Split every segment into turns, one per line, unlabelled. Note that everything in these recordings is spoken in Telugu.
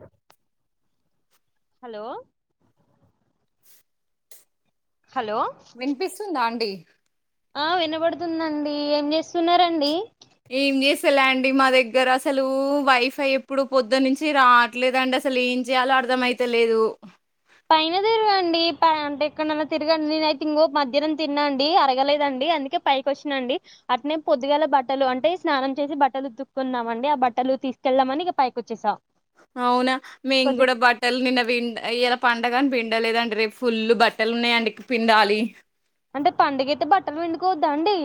అ
హలో హలో
వినిపిస్తుందా అండి
ఆ వినబడుతుందండి ఏం చేస్తున్నండి
ఏం చేసేలా అండి మా దగ్గర అసలు వైఫై ఎప్పుడు పొద్దు నుంచి రావట్లేదండి అస అసలు ఏం చేయాలో అర్థం అయితలేదు
పైనద డి అంటే ఎక్కడైనా తిరగండి నేనయితే ఇంకో మధ్యానం తిన్నాండి అరగలేదండి అందుక పైకి వచ్చా డి అట్నే పొద్దుగాల బట్టలు అంటే స్నానం చేసి బట్టలు తక్కున్నాంమండి ఆ బట్టలు తీసుకెళ్ళమని పైకొచ్చేసా
అవునా మేము కూడా బట్టలు నిన్న విం పండగని పిండలేదండి రేపు ఫుల్లు బట్టలు ఉన్నాయండి పిండాలి
అంటే పండగయితే బట్టలు పండుకోవద్దా అండి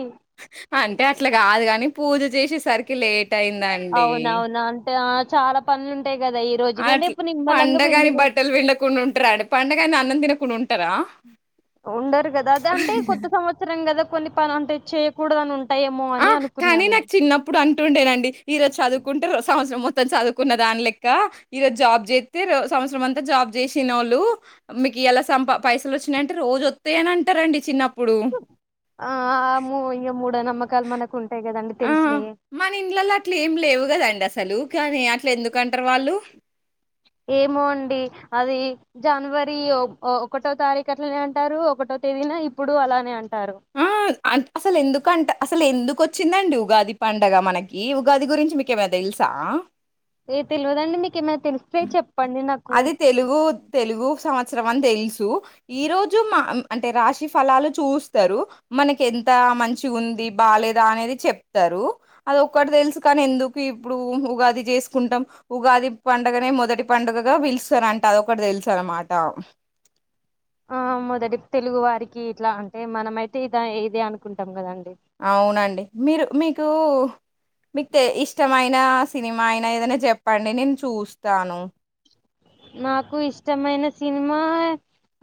అంటే అట్లా కాదు కాని పూజ చేసేసరికి లేట్ అయిందండి
అవునవునా అంటే ఆ చాలా పనులుంట
అట్లా పండగని
పిండుకో
బట్టలు విండకుండా ఉంటారా అండి పడుగని అన్నం తినకుండా ఉంటారా
ఉండరు కదా అదే అంటే కొత్త సంవత్సరం కదా కొన్ని పని అంటే చేయకూడదని ఉంట
ఆ కానీ నాకు చిన్నప్పుడు అంటుండేనండి ఈరోజు చదువుకుంటే రజ సంవత్సరం మొత్తం మొం చదువుకున్న దాని లెక్క ఈ రోజు జాబ్ చేస్తే సంవత్సరం అంతా జాబ్ చేసిన వాళ్ళు ఇ ఎలా సంప పైసలు వచ్చినాయంటే రోజు వస్తాయని అంటారంండి చిన్నప్పు
ఆ ఆమ ఇం మూవి చెప్త నమ్మ
ఆ మన ఇండ్లలో అట్లు ఏం లేవు కదండి అసలు అసలు కానీ అట్ల ఎందుకు అంటరు వాళ్ళు
ఏమో అండి అది జనవరి ఒకటో తారీఖు అట్లనే అంటారు ఒకటో ఒకేదినా ఇప్పుడు అలానే అన్
ఆ అ అసలు ఎందుకంట అసలు ఎందుకు వచ్చిందండి ఉగాది పండగ మనకి ఉగాది గురించి మీకేమైనా తెలుసా.
ఏ తెలువద అండి మీకిమె
అది తెలుగు తెలుగు సంవత్స అని తెలుసు ఈ రోజు మా అంటే రాశి ఫలాలు చూస్తరు. మనక ఎంత మంచిగ్ ఉంది బాలేదా అనేది చెప్తారు. అది ఒటి తెలుసు కానీ ఎందుకు ఇప్పుడు ఉగా చేసుకుంటాం ఉగాది పంట పండుగనే మొదటి పండుగగా పిలుస్తారంట. అదొకటి తెలుస అనమాట.
ఆ మొదటి తెలుగు వారికి ఇట్లా అంటే మనమయితే ఇద ఇదే అనుకుంటాం కదండి.
అవునండి మీరు మీకు మీకు తె ఇష్టమైన సినిమా అయినా ఏదైనా చెప్పండి నేను చూస్తాను.
నాకు ఇష్టమైన సినిమా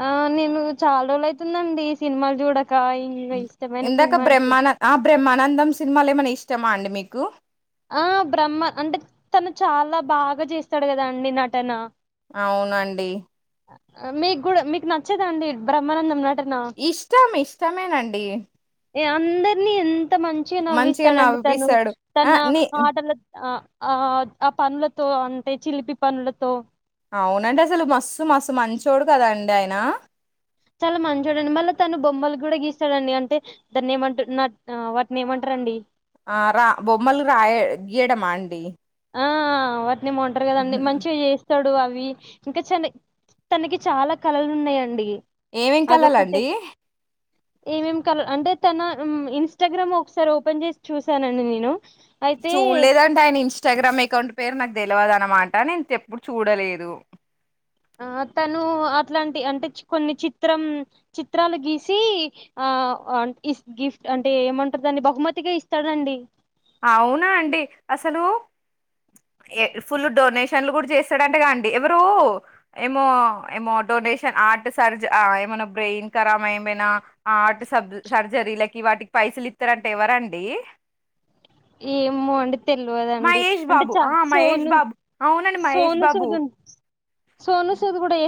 ఆ నేను చాలా రోజులు అయితుందండి. ఈ సినిమాలు చూడక ఇంగా ఇష్టమైన
ఇందాక
సినిమా అంటే
బ్రహ్మాన ఆ బ్రహ్మానందం సినిమాలు ఏమన్నా ఇష్టమా అండి మీకు
ఆ బ్రహ్మ అంటే తను చాలా బాగా చేస్తాడు కదా అండి నటన
అవునండి
మీకు కూడా మీకు నచ్చదండి బ్రహ్మానందం న
ఇష్టమె ఇష్టమేనండి
ఏ అందరినీ ఎంత మంచిగా
మంచిగా
నవ్విస్తాడు అండి తను
నవ్విపిస్తాడు ఆ
తన
నీ
ఆటల ఆ ఆ ఆ పనులతో అంటే చిలిపి పనులతో
అవునండి అసలు మస్సు మస్ మంచోడు కదా అండి ఆయన
చాలా మంచోడండి. మళ్ళా తను బొమ్మలు కూడా గీస్తాడండి. అంటే దాన్ని ఏమంటరు. వాటిని ఏమంటారు. రండి
ఆ రా బొమ్మలు రాయ గీయడమా అండి.
నేమ ఉంటరు కదండి
ఉహు.
మంచిగా చేస్తడు అవి ఇంకా చన తనకి చాలా కళలు ఉన్నాయండి.
ఏమేం
అదొకటే
కలలండి
ఏమేం కల అంటే తన ఇన్స్టాగ్రామ్ ఒకసారి ఓపెన్ చేసి చూసానండి నేను. అయితే
చూడలేదంటే ఆయన ఇస్ ఇన్స్టాగ్రామ్ అకౌంట్ పేరు నాకు తెల్వదన్నమాట. నేను ఎప్పుడు చూడలేదు.
ఆ తను అట్లాంటి అంటే కొన్ని చిత్రం చిత్రాలు గీసి అ ఆ ఇస్ గిస్ గిఫ్ట్ అంటే ఏమంటరు దాన్ని బహుమతిగా ఇస్తాడండి.
అవునా అండి అసలు ఫుల్ డొనేషన్లు కూడా చేస్తాడంటగా అండి ఎవరు ఏమో ఏమో డ డొషన్ ఆర్ట్ సర్ ఏమైనా బ్రెయిన్ ఖరాబ్ ఏమైనా ఆర్ట్ స సర్జరీలకి వాటి వాటికి పైసలు ఇత్తారంటే ఎవరండి
ఏమోండి తెలివదండి
మహేష్
అంటే
బాబు
చ
ఆ మహేష్
సోను
బాబు అవునండి మహేష్
సోను
బాబు
సుదుం సోను సుద్ కూడా ఎ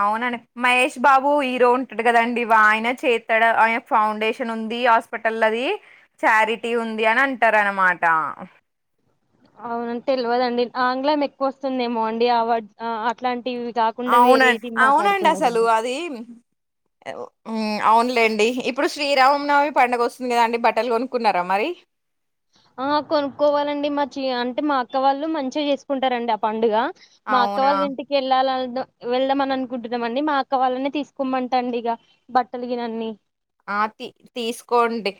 ఆ ఉన్ననే మహేష్ బాబు హీరో ఉంటడు కదండి. ఇ ఆయన చేత్తడు ఆయన ఫౌండేషన్ ఉంది హాస్పిటల్ ది చారిటీ ఉంది అని అంటరు అనమాట.
అవునం తెల్వదండి. ఆంగ్లం ఎక్కువ వస్తుందేమో అండి ఆ అట్లాంటివి కాకుండా
అవునండి
వేరేది
అవునండి అసలు
మాట్లాడుకున్నామండి
అది అవునులేండి. ఇప్పుడు శ్రీరామనమి పండుగ వస్తుంది కదా అండి. బట్టలు కొనుక్కున్నారా మరి.
ఆ కొనుక్కోవాలండి మా అంటే మా అక్క వాళ్ళు మంచిగా చేసుకుంటారండి ఆ పండుగ మా అక్క
అవునా!
వాళ్ళ ఇంటికి వెళ్ళాల వెళ్దామని అనుకుంటున్నాం అండి మా అక్క వాళ్ళనే తీసుకోమంట అండి ఇక బట్టలు గిన అన్ని
ఆ తీ తీసుకోండి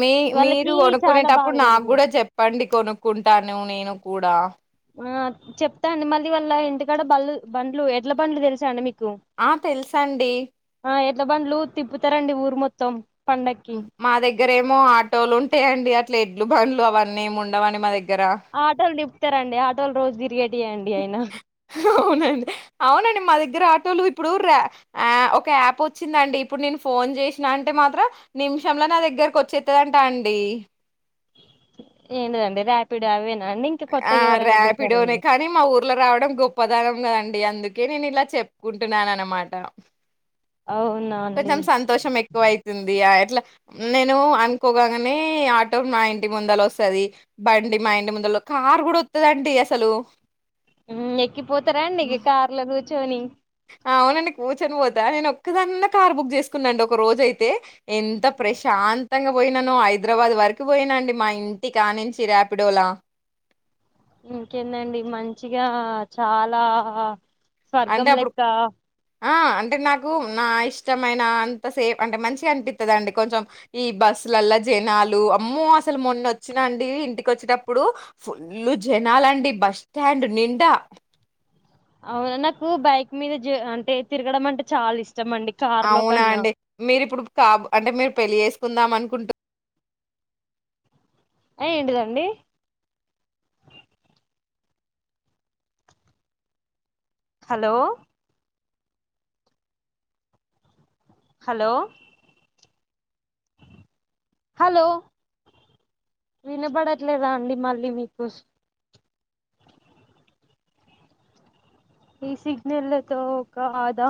మీ మీరు
వాళ్ళకి చాలా
కొనుక్కునేటప్పుడు
బాగా
నాకు
జరుగుతుంది
కూడా చెప్పండి కొనుక్కుంటాను నేను కూడా
ఆ చెప్తా అండి మళ్ళీ వాళ్ళ ఇంటికాడ బళ్లు బండ్లు ఎట్ల బండ్లు తెలుసా అండి మీకు
ఆ తెలుసాండి
ఎడ్లబండ్లు తిప్పుతారండి ఊరు మొత్తం పండక్కి
మా దగ్గర ఏమో ఆటోలు ఉంటాయండి అట్ల ఎడ్లు బండ్లు అవన్నీ ఉండవని మా దగ్గర
ఆటోలు నిపుతారండి ఆటోలు రోజు తిరిగేటివే
అవునండి అవునండి మా దగ్గర దగ్గర ఆటోలు ఇప్పుడు ఒక యాప్ వచ్చిందండి ఇప్పుడు నేను ఫోన్ చేసిన అంటే మాత్రం నిమిషంలో నా దగ్గరకు వచ్చేత్తందంటా అండి
ఏంటిదండి ర్యాపిడ్ అవి
ఆ ర్యాపిడోనే కానీ మా ఊర్లో రావడం గొప్పదనం కదండి అండి అందుకే నేను ఇలా చెప్పుకుంటున్నాను అనమాట
అవునా అండి
కొంచెం సంతోషం ఎక్కువ అవుతుంది ఆ ఇట్లా నేను అనుకోగాగానే ఆటో మా ఇంటి ముందల వస్తుంది బండి మా ఇంటి ముందల వస్తది కారు కూడా వస్తుదండి అసలు
ఎక్కిపోతారా అండి
హ్మ్.
కార్లో కూర్చొని
అవునండి కూర్చొని పోతా నేను ఒక్కదాన్నే కార్ బుక్ చేసుకున్న ఒక రోజ అయితే ఎంత ప్రశాంతంగా పోయినాను హైదరాబాద్ వరకు పోయినా అండి మా ఇంటి కా నుంచి రాపిడోల
ఇంకేందండి మంచిగా చాలా
అంటే
స్వర్గం
అప్పుడు
లేక్క
ఆ అంటే నాకు నా ఇష్టమైన అంత సేఫ్ అంటే మంచిగా అనిపిస్తుందిండి కొంచెం బస్సులల జనాలు అమ్మ అసలు మొన్న వచ్చినండి ఇంటికి వచ్చేటప్పుడు ఫుల్లు జనాలు జనాలు బస్ స్టాండ్ నిండా
అవునా నాకు బైక్ మీద జ అంటే తిరగడం అంటే చాలా ఇష్టం అండి కార్ లో
అవునా
కన్నా
అండి మీరిప్పుడు కాబ అంటే మీరు పెళ్ళి చేేసుకుందాం అనుకుంటున్నారా అనుకుంటూ
ఆ ఏంటిదండి హలో హలో హలో వినబడట్లేదా అండి మళ్ళీ మీకు ఈ సిగ్నల్తో ఒక కదా